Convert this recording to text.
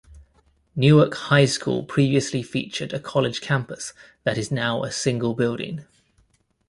Newark High School previously featured a college campus that is now a single building.